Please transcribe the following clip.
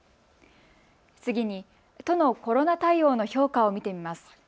次に都のコロナ対応の評価を見てみます。